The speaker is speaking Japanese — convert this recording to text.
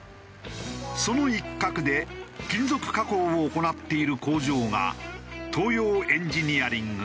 その一角で金属加工を行っている工場が東洋エンヂニアリングだ。